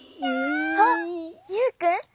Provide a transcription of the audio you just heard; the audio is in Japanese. あっユウくん？